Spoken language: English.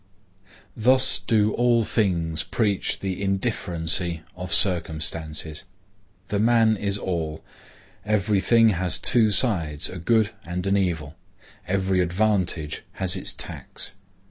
Thus do all things preach the indifferency of circumstances. The man is all. Every thing has two sides, a good and an evil. Every advantage has its tax.